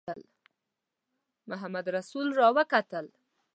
محمدرسول را وکتل.